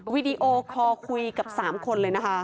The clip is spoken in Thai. วิดีโอคอลคุยกับ๓คนเลยนะคะ